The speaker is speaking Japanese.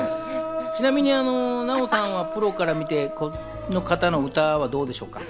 ちなみにナヲさん、プロから見て、この方の歌はどうでしょうか？